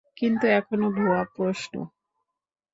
কিন্তু এগুলো ভুয়া প্রশ্ন।